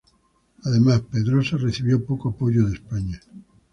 Además, Pedrosa recibió poco apoyo de España.